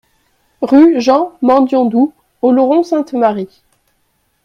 Rue Jean Mendiondou, Oloron-Sainte-Marie